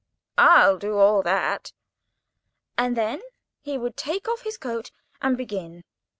I'll do all that." And then he would take off his coat, and begin.